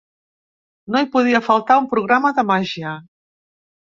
No hi podia faltar un programa de màgia.